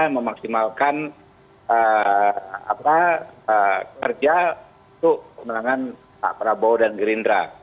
memaksimalkan kerja untuk pemenangan pak prabowo dan gerindra